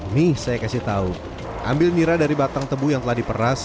nih saya kasih tau ambil nira dari batang tebu yang telah diperas